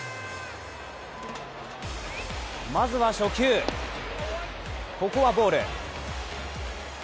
まずは初球、ここはボール。